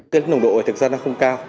cái nồng độ này thực ra nó không cao